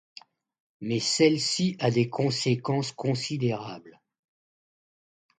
Mais celle-ci a des conséquences considérables.